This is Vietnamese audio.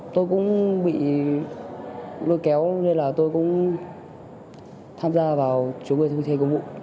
tôi cũng bị lôi kéo nên là tôi cũng tham gia vào chống người thi hành công vụ